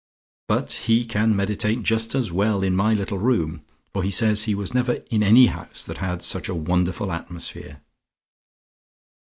But he can meditate just as well in my little room, for he says he was never in any house that had such a wonderful atmosphere.